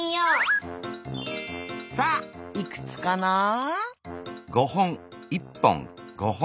さあいくつかな？